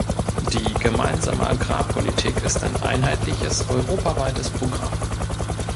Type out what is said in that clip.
Die Gemeinsame Agrarpolitik ist ein einheitliches, europaweites Programm.